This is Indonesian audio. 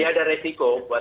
tidak ada resiko